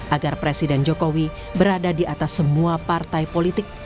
agar presiden jokowi berada di atas semua partai politik